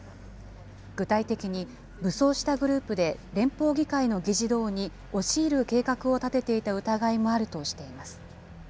具体的に、武装したグループで連邦議会の議事堂に押し入る計画も立てていた疑いもあるとしています。